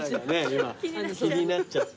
今気になっちゃって。